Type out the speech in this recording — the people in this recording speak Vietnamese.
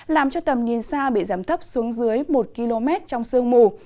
làm cho tầm nhìn xa bị giảm thấp xuống dưới một km trong sương mù